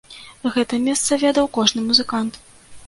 Гэта месца ведаў кожны музыкант.